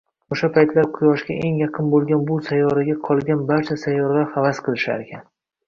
Oʻsha paytlar Quyoshga eng yaqin boʻlgan bu sayyoraga qolgan barcha sayyoralar havas qilisharkan